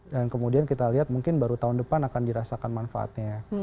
dan kemudian kita lihat mungkin baru tahun depan akan dirasakan manfaatnya